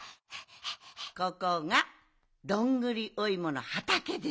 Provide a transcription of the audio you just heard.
ここがどんぐりおいものはたけです。